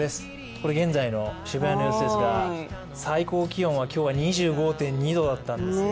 これ、現在の渋谷の様子ですが最高気温は今日２５．２度だったんですよ。